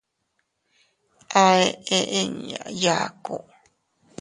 A eʼe inña yaku.